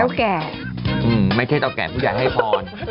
แก่ไม่ใช่เท่าแก่ผู้ใหญ่ให้พร